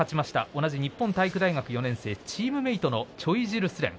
同じ日本体育大学４年生でチームメートのチョイジルスレン